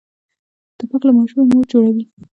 توپک له ماشومې مور جوړوي.